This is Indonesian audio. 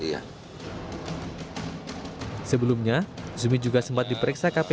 di sini jadi rady topping posisi integrasi